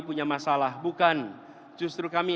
cukupkan dengan karyunyami